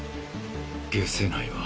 解せないわ。